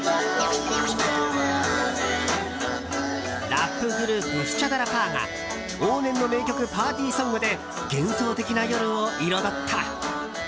ラップグループスチャダラパーが往年の名曲パーティーソングでファンタジックな夜を彩った。